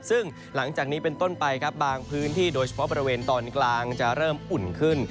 ซึ่งหลังจากนี้เป็นต้นไปครับบางพื้นที่โดยเฉพาะบริเวณตอนกลางจะเริ่มอุ่นขึ้น